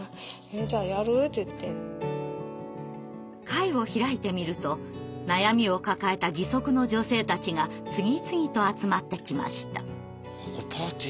会を開いてみると悩みを抱えた義足の女性たちが次々と集まってきました。